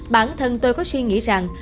bản thân tôi có suy nghĩ rằng